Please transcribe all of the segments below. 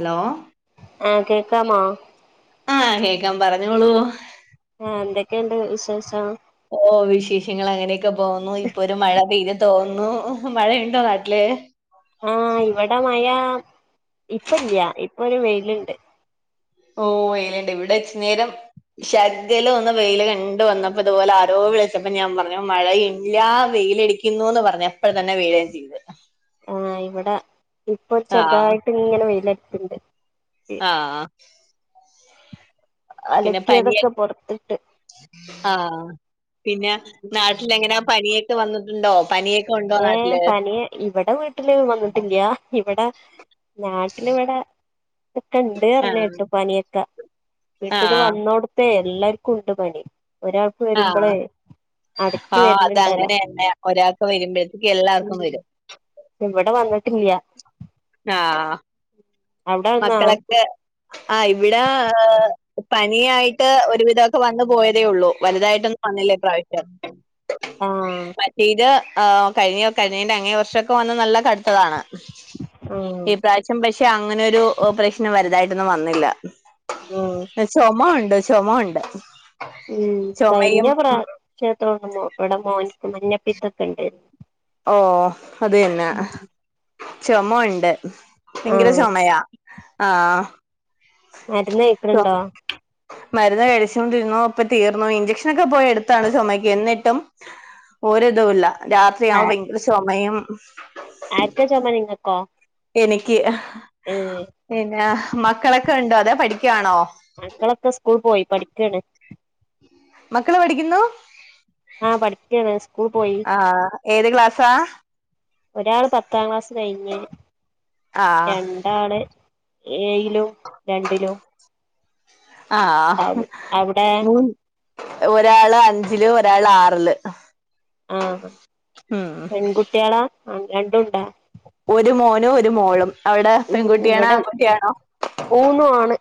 Hello ആ കേക്കാമോ ആ കേക്കാം പറഞ്ഞോളൂ എന്തൊക്കെണ്ട് വിശേഷം ഓ വിശേഷങ്ങൾ അങ്ങനെയൊക്കെ പോവുന്നു ഇപ്പൊ ഒരു മഴ പെയ്ത് തോന്നുന്നു ഹലോ മഴയണ്ടോ നാട്ടില്? ആഇവിടെ മയാ. ഇപ്പല്ല്യ ഇപ്പൊ ഒരു വെയില്ണ്ട്. ഓഹ് ഏ ഇവിടെയിണ്ട് ഇവിടെ ഇച്ച് നേരം ശദ്യ [unintelligible] ല്ഒന്ന് വെയില് കണ്ട് വന്നപ്പോ ഇതുപോലെ ആരോ വിളിച്ചപ്പോ ഞാൻ പറഞ്ഞു മഴയില്ലാ വെ - വെ യിലടിക്കുന്നുന്ന് പറഞ്ഞ എപ്പഴ തന്നെ ആ ഇവിടെ ഇപ്പൊ ആഹ് ചെറുതായിട്ട് ഇങ്ങനെ വെയിലടിക്ക്ണ്ട്. ആഹ് പിന്നെ പനിയ അലക്കിയതൊക്കെ പൊറത്തിട്ട് ആഹ് പിന്നെ നാട്ടില എങ്ങനെ? പനിയൊക്കെ വന്നിട്ടുണ്ടോ? പനിയൊക്കെ ഉണ്ടോ നാട്ടില്? നാട്ടിലാരും വന്നിട്ടില്ല. ഇവിടെ നാട്ടിലിവിടെ ഇതൊക്കെണ്ട് ആഹ് അറിഞ്ഞേട്ടു പനിയൊക്കെ വീട്ടില് ആഹ് വന്നോടുത്തേ എല്ലാർക്കും ഉണ്ട് പനി. ഒരാൾക്ക് വരുമ്പ ആഹ് ളേ അടക്കി ആഹ് വരണ് ണ്ടേല? അതങ്ങനെന്നെ ഒരാൾക്ക് വരുമ്പോഴത്തേക്ക് എല്ലാവർക്കും വരും ഇവിടെ വന്നിട്ട്ല്ല്യാ. ആഹ അവിടെ വന്നാ മക്കളൊക്കെ ആഇവിടെ പനിയായിട്ട് ഒരുവിധമൊക്കെ വന്നു പോയതേ ഉള്ളൂ വലുതായിട്ടൊന്നും വന്നില്ല പ്രാവശ്യ ആഹ് മറ്റേ ഇത് കഴിഞ്ഞ കഴിഞ്ഞിന്റെ അങ്ങേ വർഷംക്കെ വന്ന് നല്ല കടുത്തതാണ്. ആഹ് ഈ പ്രാവശ്യം പക്ഷെ അങ്ങനെരു ഓപ്പറേഷന് വലുതായിട്ടൊന്നും വന്നില്ല. ആഹ് ചുമ ഉണ്ട് ചുമ ഉണ്ട്. ഉം കഴിഞ്ഞ ചുമയും പ്ര ഉം, ക്ഷേത്ര ഇവിടെ മോൻക്ക് മഞ്ഞപ്പീത്തൊക്കെ ഉണ്ടായിരുന്നു. ഓ അത് തന്നെ ചുമ ഉണ്ട് ഭയങ്കര ആഹ് ചുമയാ.. ആഹ മരുന്ന് കഴിക്ക്ണുണ്ടോ? ഇപ്പ തീർന്നു ഇഞ്ചക്ഷനൊക്കെ പോയി എടുത്താണ്. ചുമയ്ക്ക് എന്നിട്ടും ഒരിതുല്ല രാത്രിയാവുമ്പോ ഭയങ്കര ചുമയും. ആർക്കാ ചുമ നിങ്ങക്കോ എനിക്ക്. ഏഹ് പിന്നെ മക്കളൊക്കെ ഉണ്ടോ അതെ പഠിക്കുവാണോ? മക്കളൊക്കെ സ്കൂൾ പോയി പഠിക്കാണ് മക്കള് പഠിക്കുന്നു ആഹ് പഠിക്കാണ് സ്കൂൾ പോയി ആഹ് ഏത് ക്ലാസാ? ഒരാള് പത്താം ക്ലാസ് കഴിഞ്ഞ് ആഹ് രണ്ടാണ് ഏഴ് ഴിലും രണ്ടിലും ആഹ് ആവും അവിടെ മൂ ഒരാള് അഞ്ച് ഞ്ചിലും ഒരാള് ആറില് ആഹ് ഉം പെൺകുട്ടികളാ ആ രണ്ടും ഇണ്ടാ? ഒരു മോനും ഒരു മോളും അവിടെ ഉം പെൺകുട്ടിയാണോ ഇവിടെ ആൺകുട്ടിയാണോ? മൂന്നും ആണ്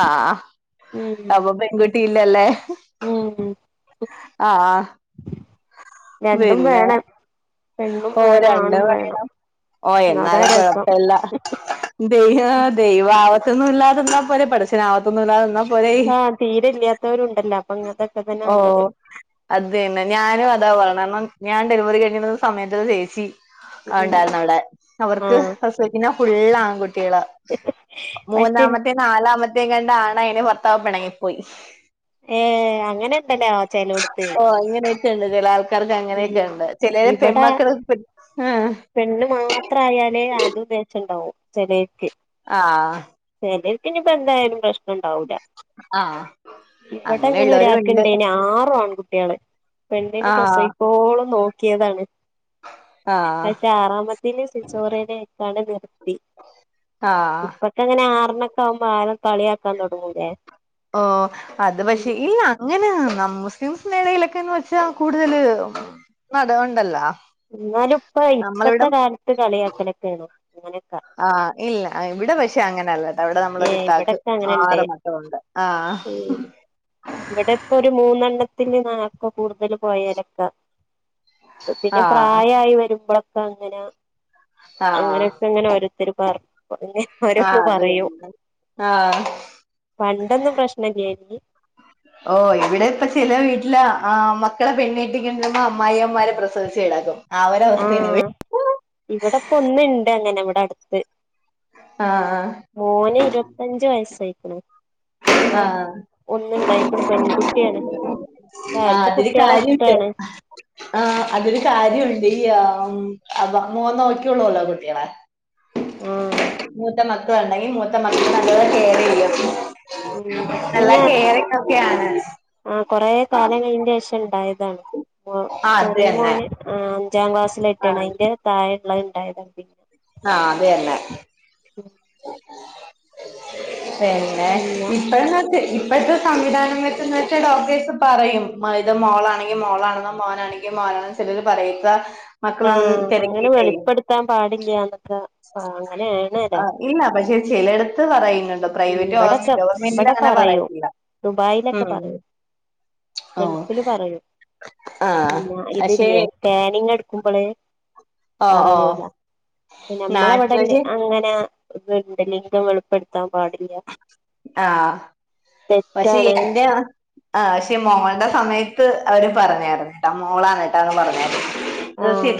ആഹ് അപ്പൊ പെൺകുട്ടില്ലല്ലേ? ഊം ആഹ് രണ്ടും വേണം പെണ്ണും ഓഹ് വേണം രണ്ട് ആണും വേണം ഓഹ് അതാ എന്നാലും രസം കൊഴപ്പല്ല. ദൈവ ഉം ദൈവ ആവത്തൊന്നും ഇല്ലാതന്നാ പോരേ പടച്ചോനെ ആവത്തൊന്നും ഇല്ലാതന്നാ ആഹ് തീരെല്ലാത്തവരുണ്ടല്ലോ അപ്പൊ ങ്ങനത്തോക്കെ തന്നെ ഓ നല്ലത്. അത് തന്നെ ഞാനും അതാ പറയണെ കാരണം ഞാൻ ഡെലിവറി കഴിഞ്‌ സമയത്ത് ഒരു ചേച്ചി ആഹ് ഉം ഉണ്ടായിരുന്നവിടെ അവർക്ക് ആഹ് പ്രസവിക്കുന്ന ഫുള്ള് ആൺകു ട്ടികളാ പക്ഷെ മൂന്നാമത്തെ എനിക്ക് നാലാമ കണ്ട ആണെയ്നു ഭർത്താവ് പെണങ്ങിപ്പോയി. ഏഹ് അങ്ങനെ ഇണ്ടല്ലേ ചെലോടുത്ത്. ണ്ട് ചില ആൾക്കാർക്ക് അങ്ങനെയൊക്കെ ഉണ്ട് ചിലരെ ഇവിടെ പെൺമക്കൾ ആഹ് പെണ്ണ് മാത്രം ആയാലേ അത് ഉദ്ദേശണ്ടാവും ചെലർക്ക്. ആഹ് ചിലെർക്കിനിപ്പ എന്തായാലും പ്രശ് ആഹ് ഇവിടെ അങ്ങനെ അങ്ങനെയുള്ളവരും ഉണ്ട് ഒരാക്ക്ണ്ടയിന് ആറു ആൺ കുട്ടികള് പെണ്ണിനെ ആഹ് പ്രസവിക്കോളം നോക്കും. ക്കിയതാണ് ആഹ് പക്ഷെ ആറാമതില് സി [unintelligible] ആഹ് അഹ് ന്നെ ആറിനക്കമ്പ ആളെ കളിയാക്കാൻ തൊടങ്ങൂല്ലേ?? ഓഹ് അത് പക്ഷെ ഇല്ല അങ്ങനെ നം മുസ്ലിംസിനിടെലൊക്കെന്ന് വെച്ചാ കൂടുതൽ മതഒണ്ടല്ലോ..? ന്നാലു ഇപ്പ ഇപ്പത്തെ കാലത്ത് കളിയാക്കലെക്കെ ആണ്. ആഹ് ഇല്ല ഇവിടെ പക്ഷെ അങ്ങനല്ല. എവിടെ ഏ നമ്മളൊരിത്തക്ക് ഇവിടൊക്കെ അങ്ങനെണ്ട് ആറ് മക്കളൊണ്ട് അഹ് അഹ് ഉം ഇവിടെ ഇപ്പൊരു മൂന്നെണ്ണ ത്തിന് നാക്ക് കൂടുതൽ പോയരക്ക പിന്നെ ആഹ് പ്രായയി വരുമ്പ്ല പ്പ അങ്ങന ആഹ് അങ്ങനെക്കെ അങ്ങനെ ഓരുത്തർ പറഞ്ഞ് ആഹ് ഓരോന്ന് അത് പറയും. തന്നെ ആഹ് പണ്ടോന്നും പ്രശ്ന ഇല്ലായിന്.. ഓഹ് ഇവിടെ ഇപ്പച്ചില വീട്ടില ആമക്കളെ പെണ്ണീട്ടിക്കണ്ടമ്മ അമ്മായിമ്മരെ പ്രസവിച്ചിടക്കും ആഹ് ഇവിടെപ്പൊ ഒന്നിണ്ട് അങ്ങനെ ഇവിടെ അടുത്ത് ആഹ് മോന് ഇരുപത്തഞ്ച് വയസായിക്ക്ണ് ഇപ്പൊ ആഹ് ഒന്ന്ണ്ടായിക്ണ് പെൺകുട്ടിയാണ് ആഹ് ആർക്ക് അതില് കുട്ടികളെ കാര്യിണ്ട് ഇഷ്ടാണ് ആഹ് അതൊരു കാര്യുണ്ടില്ല്യോ ആം അബം മോൻ നോക്യൊള്ളൂല്ലോ കുട്ടികളെ ആഹ് മൂറ്റ മക് ണ്ടങ്കി മൂത്ത മക്ക [unintelligible] കെയറെയ്യും ഉം പിന്നെ ആഹ് കൊറെ കാലങ്ങയിന്റെഷണ്ടായ- [unintelligible] ആഹ് അത് ചെറിയ തന്നെ മോന് അഞ്ചാം ക്ലാസ്സൽ ഇട്ടിയാണ് അതിന്റെ തായെ ലൈൻണ്ടതപ്പ ആ അതുതന്ന പിന്നെ ഇപ്പഴെന്നക്ക് ഇപ്പഴത്തെ സംവിധാനം വെച്ചന്ന് വെച്ചാൽ ഡോക്ടേഴ്സ് പറയും ഇത് മോളാണെങ്കിൽ മോളാണെന്നോ മോനാണെങ്കിലിൽ നന്നോ ചില പറയത്ത മക്കളൊന്നും ആഹ് അങ്ങനെ തിരക്കിയിട്ട വെളിപ്പെടുത്താൻ പാടില്ല്യാന്നൊക്കെ ആഹ് ആ അങ്ങനെയാണല്ലോ ഇല്ല പക്ഷെ ചിലടുത്ത് പറയുന്നുണ്ടോ ഉം പ്രൈവറ്റ് ഇബടൊക്കെ ഗവൺമെന്റിൽ ഇബടെ അങ്ങനെ പറയും പറയത്തില്ല ദുബായിലൊക്കെ പറയും ഓഹ് ഗൾഫില് പറയൂ ആഹ് പിന്ന പക്ഷേ ഇതില്ലേ സ്കാനിങ് എ നക്കുമ്പോളേ ഓഹ് ഓഹ് പറയൂല നമ്മളവിടെല്ലേ നാട്ടില് അങ്ങനെ ണ്ട് ലിം എളുപ്പെടുത്താൻ പാടില്ല ആഹ് പക്ഷെ തെറ്റാണ് എന്റെറെ ആ പക്ഷെ മോളുടെ സമയത്ത് ത്ത് അവര് പറഞ്ഞരുന്ന കേട്ട് മോളന്നിട്ട് പറഞ്ഞരുന്നു ആഹ്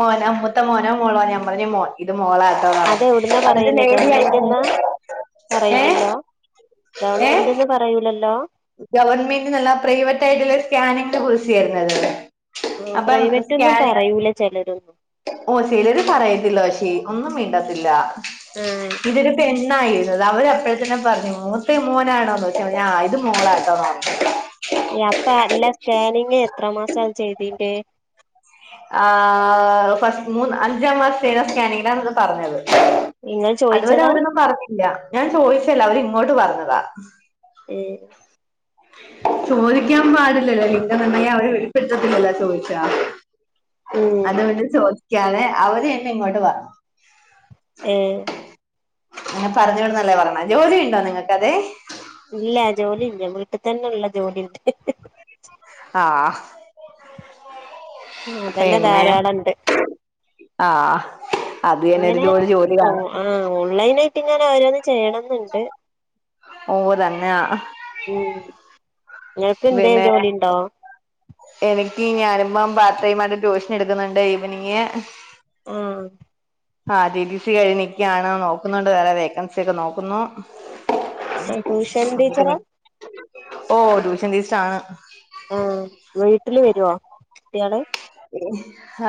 മോന അ മൂത്ത മോനോ മോളോ ഞ പറഞ്ഞ മോൻ ഇ മോളേർട്ടോ അതെവിടുന്നാ പറയല് അതിടായി ഗവൺമെന്റ്ന്നാ പറയൂലല്ലോ ഗവൺമെന്റ്ന്ന് പറയൂലല്ലോ ഗവൺമെന്റിന്നല്ല പ്രൈവറ്റ് ആയിട്ടുള്ള സ്കാനിങ്ങന്റെ കുറിിച്ച ആരുന്നതല്ലേ ആ പ്രൈവറ്റ് ഒന്നും പറയൂല ചിലരൊ ഓ ചിലര് പറയത്തില്ലോ ശേ ഒന്നും വേണ്ട ഇതൊരു പെണ്ണ് അരുന്ന അവര് എപ്പോഴത്തന്നെ പറഞ്ഞു മൂത്ത മോനാണോന്ന ഇത് മോളാട്ടോന്ന അപ്പൊ അല്ല സ്കാനിങ് എത്ര മാസ ചെയ്തിന്റെ ആ ഫസ്റ്റ് മൂന്ന് അഞ്ചാം മാസ ത സ്കാനിങ്ങിലാണ് പറഞ്ഞത് നിങ്ങൾ ചോയിച്ചതാ ഇല്ല ഞാൻ ചോദിച്ചല്ല അവരി ഇങ്ങോട്ട് പറഞ്ഞതാ ഉം ചോദിക്കാൻ പാടില്ലല്ലോ ലിങ്ക നിർണയം അവരെ വെളിപ്പെടുത്തത്തില്ലല്ലോ ചോദിച്ചാ ഉം അതുകൊണ്ട് ചോദിക്കാനെ അവർ തന്ന ഇങ്ങോട്ട് വ ഏ ൻ പറഞ്ഞോടെ നല്ലത പറഞ്ഞ ജോലി ഉണ്ടോ നിങ്ങക്ക് അതെ ഇല്ല ജോലില്ലഞ വീട്ടിൽ തന്നെ ഉള്ള ജോലിണ്ട് ആ അതന്നെ ധാരാളം ഉണ്ട് ആ ഇങ്ങനെ ഓ ആ ഓൺലൈന ആയിട്ട് ഇങ്ങനെ വരന്ന് ചെയ്യണംന്നുണ്ട് ഓ തന്നെയാ ഉ നിങ്ങൾക്ക് എന്തേ പിന്നെ ജോലിുണ്ടോ ഞാനിമ്മ പാത്രമായിട്ട് ട്യൂഷൻ എടുക്കുന്നുണ്ട് ഈവെനിംഗ് ആ ആ ടി. ടി. സി കഴിഞ്ഞ ക നിക്കാണ് നോക്കുന്നുണ്ട് വേറെ വേക്കൻസി ഒക്കെ നോക്കുന്നു ട്യൂഷൻ ടീച്ചറ ഓ ട്യൂഷൻ ടീച്ചർ ആണ് വീട്ടിലെ വരുവോ കുട്ടികള്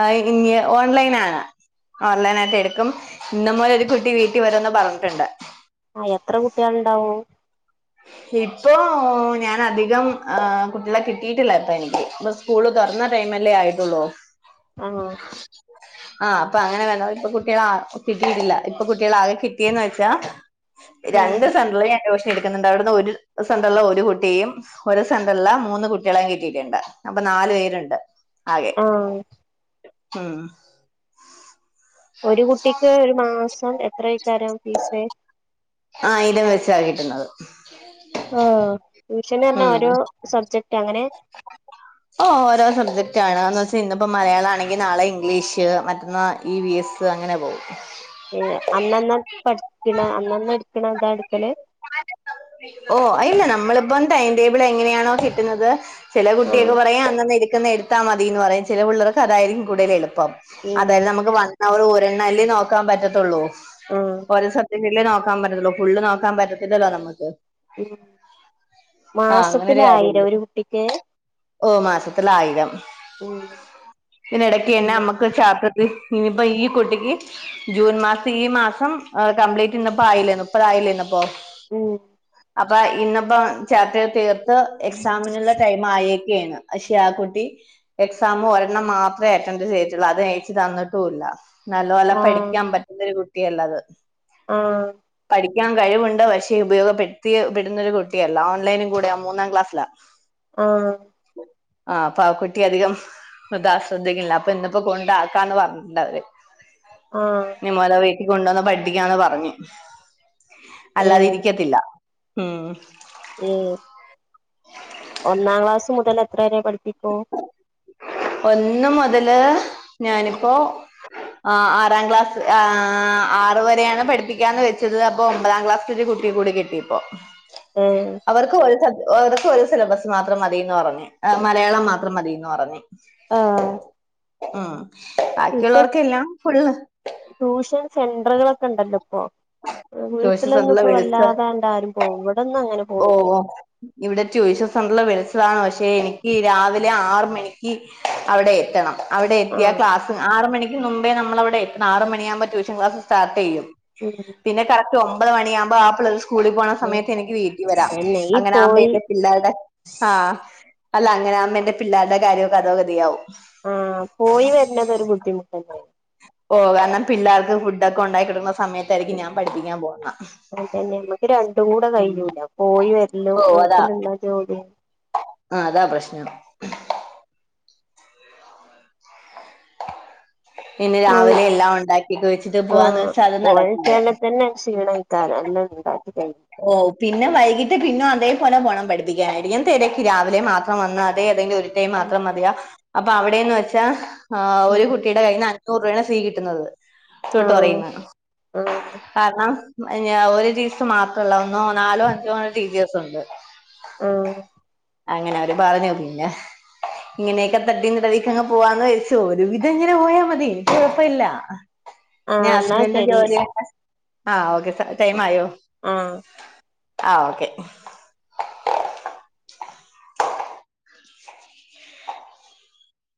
ആ ഇനി ഓൺലൈൻ ആണ് ഓൺലൈന ആയിട്ട് എടുക്കും ഇന്ന് മുതൽ ഒരു കുട്ടി വീട്ടിൽ വരമന്ന് പറഞ്ഞിട്ടുണ്ട് ആ എത്ര കുട്ടികൾുണ്ടാവും ഇപ്പൊ ഞാൻ അധികം കുട്ടികളെ കിട്ടിയിട്ടില്ല ഇപ്പ എനിക്ക് ഇപ്പ സ്കൂളക്കെ അന്ന ടൈമല്ലേ ആയിട്ടുള്ളൂ ആഹ് ആഹ് അപ്പൊ അങ്ങനെ വന്ന ഇപ്പൊ കുട്ടികൾ ആ കിട്ടിയിട്ടില്ല ഇപ്പൊ കുട്ടികൾ ആകെ കിട്ടിയന്ന് വെച്ചാ ഉം രണ്ട് സ [unintelligible] ണ്ട് അവിടു ഒരു സെന്ററ ഒരു കുട്ടിയും ഒരു സെന്ററില മൂന്ന് കുട്ടികളും കിട്ടിയിട്ടുണ്ട് അപ്പൊ നാ പേരുണ്ട് ആ ആ ഒരു കുട്ടിക്ക് ഒരു മാസം എത്രക്കേരം ഫീസ് ആ ഇലം വെച്ചക്കിട്ടുന്നത് ട്യൂഷൻ പറഞ്ഞ ഓരോ സബ്ജക്ട് അങ്ങനെ ഓ ഓരോ സബ്ജക്റ്റ് ആാണ്ന്ന് വെച്ച ഇന്നിപ്പോൾ മലയാള ആണെങ്കിൽ നാളെ ഇംഗ്ലീഷ് മറ്റന്നാ ഇ വി എസ് അങ്ങനെ പോവും ഏ അന്നന്ന പഠിക്കണ അന്നന്ന എടുക്കണ അതാ എടുക്കല് ഓ അല്ല നമ്മളിപ്പം ടൈം ടേബിൾ എങ്ങനെയാണോ കിട്ടുന്നത് ചില കുട്ടിയൊക്കെ ആഹ് പറയാൻ അന്നന്നെ എത്താൽ മതിന്ന് പറയാ ചില പിള്ളർക്ക് അതായിരിക്കും കൂതൽ എളുപ്പം ഉം അതായത് നമുക്ക് വ ഉരെണ്ണല്ലി നോക്കാൻ പറ്റത്തുള്ളൂ ആഹ് ഓരോ സത്യം ഫ നോക്കാൻ പറ്റല്ല ഫുള് നോക്കാൻ പറ്റത്തില്ലോ നമുക്ക് ഉ ആഹ് അങ്ങനൊരു മാസത്തിലായിരം കാര്യമുണ്ട് ഒരു കുട്ടിക്ക് ഓ മാസത്തില ആയിരം ഉം ഇതിനിടക്ക് തന്നെ നമ്മുക്ക് ചാപ്പ ഇനിയിപ്പോ ഈ കുട്ടിക്ക് ജൂൺ മാസം ഈ മാസം കംപ്ലീറ്റ് ഇന്നപ്പോ ആയില്ലേ മുപ്പതായി അല്ലേ ന്നോ പോ ഉം അപ്പൊ ഇന്നപ്പോ ചാപ്റ്റർ തീർത്ത് എക്സാമിനുള്ള എകീന്ന് പക്ഷെ ആ കുട്ടി നല്ലോല്ല പഠിക്കാൻ പറ്റുന്നൊരു കുട്ടിയല്ല ത് ആ പഠിക്കാൻ കഴിവുണ്ട് പക്ഷേ ഉപയോഗപ്പെടുത്തി പെടുന്നൊരു കുട്ടിയല്ല ഓൺലൈനും കൂടെ മൂന്നാം ക്ലാസ്സില ആ ആ അപ്പൊ ആ കുട്ടി അധികം ഇത്ശ്രദ്ധിക്കില്ല അപ്പൊ ഇന്നിപ്പോ കൊണ്ടാക്കാന്ന് പറഞ്ഞിണ്ട അവര് ആഹ് നി മോലെ വീട്ടിൽ കൊണ്ടുവന്ന പഠിക്കാന്ന് പറഞ്ഞു അല്ലാതി ഇരിക്കത്തില്ല ഉം മ്മ് ഒന്ന് മുതല് ഞാനിപ്പോ ആ് ആറാം ക്ലാസ് ആ ആറ വരെയാണ് പഠിപ്പിക്കാ എന്ന് വെച്ചത് അപ്പൊ ഒമ്പതാം ക്ലാസ് കുട്ട കൂടി കിട്ടിപ്പോ ഏഹ് അവർക്ക് ഒറക്ക ഒരു സിലബസ് മാത്രം മതിന്ന് പറഞ്ഞ് ആ ആഹ് ഉം ഇപ്പൊ ബാക്കിയുള്ളവർക്ക എല്ലാം ഫുള്ള് ട്യൂഷൻ സെന്ററുകളൊക്കെ ഉണ്ടല്ലോ ഇപ്പൊ ട്യൂഷൻ വീട്ടിലൊന്നും സെന്ററില് ഇപ്പോ വല്ലാതണ്ടരും പോ ഇവിടെന്ന് അങ്ങനെ ഓ പോണില്ല ഓ ഇവിടെ ടൂഷേ സെന്റർ വിളിച്ചതാണ് പക്ഷെ എനിക്ക് രാവിലെ ആറ മണിക്ക് അവിടെ എത്തണം അവിടെ എയയാ ആഹ് ക്ലസ് ആ മണക്ക് മുമ്പേ നമ്മളവിടെ എത്ത ആറ മണിയാകുമ്പൾ ട്യഷ ക്ലാസ് സ്റ്റാർ് ചെയ്യും ഉം പിന്നെ കറക്റ്റ് ഒമ്പത്ണിയാവുമ്പോ ആപ്പള്ളർ സ്കൂളിൽ പോകണ ആഹ് സമയത്ത് എനിക്ക് വീ തന്നെ ഈ അങ്ങനെ ആ പോയി പിള്ളേരുടെ ആഹ അല്ല അങ്ങനെ ആുമ്പോ എന്റെ പിള്ളേരുടെ കാര്യൊക്കെ അതോ ഗതിയാവും ആ പോയി വരനേതൊരു ബുദ്ധിമുട്ട് തന്നെണ് ഓഹ് കാരണം പിള്ളേർക്ക് ഫുഡ്ക്ക ഉണ്ടായിക്കിടണ സ ഉം അതന്നെ നമ്മക്ക് രണ്ടും കൂടെ ഉം കഴിഞ്ഞൂല പോയി വര്ലും ഓ അതാ ചെക്കനെന്താ ജോലി ആ അതാ പ്രശ്നം പിന്നെ ആ രാവിലെ എല്ലാം ഉണ്ടാക്കിയൊക്കെ വെച്ചിട്ട് ആ പോവാന്ന് വെച്ചാ അത് നടക്കില്ല പോഴച്ചാല് തന്നെ ക്ഷീണായി കനൽല് ഉണ്ടാക് ഓ പിന്നെ വൈ വയിട്ട് പിനോം അതേപലെ പോണം പഠിപ്പിക്കാനായിട്ട് ഞാൻ തെരക്കി രാവിലെ മാത്രം വന്നാ തേ ഏതെ ടൈം മാത്രം മതിയാ അപ്പൊ അവിടെന്ന് വെച്ചാ ആഹ് ഒരു ഉം കുട്ടിയുടെ കയ്യിന്ന് അൻ ഞുറ്പയാണ് ഫീ കിട്ട്ന്നത് ആഹ് ടുട്ടോറിന്ന് ആഹ് കാർ ണം മ് ഞാ ഒരു ടീച്ചറ് മാത്രോള്ള് ഒന്നോ നാലോ അഞ്ചോ ആറ് ടീച്ചേഴ്സ് ഒണ്ട് ആഹ് അങ്ങനെ അവര് പറഞ്ഞു പിന്നെ ഇങ്ങനെയൊക്കെ തട്ടീതടവിക്കങ്ങനെ പോവാന്ന് വിരിച്ചു ഒരുവിധം ഇങ്ങനെ പോയാ മതി എനിക്ക് കുഴപ്പം ഇല്ല. ന്നെ ആഹ് എന്നാ ഹസ്ബൻഡ്ന്റെ ശരി ജോലിയൊക്കെ ആഹ് ഓക്കെ സ ടൈം ആയോ? ആഹ് ആഹ് ഓക്കെ